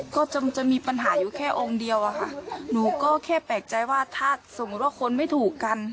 ก็จะมีปัญหาอยู่แค่องค์เดียวอะค่ะหนูก็แค่แปลกใจว่าถ้าสมมุติว่าคนไม่ถูกกัน